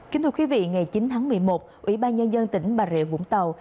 kính thưa quý vị ngày chín tháng một mươi một ủy ban nhân dân tỉnh bà rịa vũng tàu